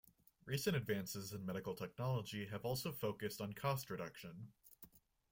Recent advances in medical technology have also focused on cost reduction.